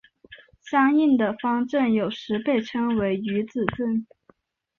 相应的方阵有时被称为余子阵。